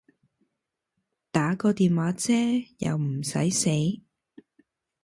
打個電話啫又唔駛死